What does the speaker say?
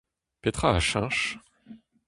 Petra a cheñch ?